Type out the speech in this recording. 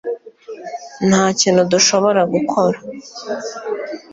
Nta kintu dushobora gukora